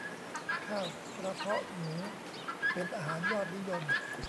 ข้าวกระเพาะหมูเป็นอาหารยอดนิยม